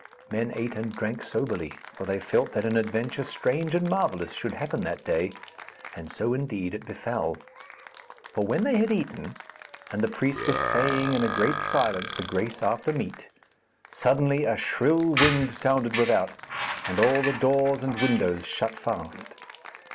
Men ate and drank soberly, for they felt that an adventure strange and marvellous should happen that day, and so indeed it befell. For when they had eaten, and the priest was saying in a great silence the grace after meat, suddenly a shrill wind sounded without, and all the doors and windows shut fast.